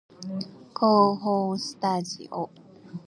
構法スタジオ